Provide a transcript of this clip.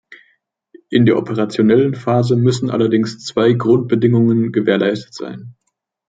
In der operationellen Phase müssen allerdings zwei Grundbedingungen gewährleistet sein.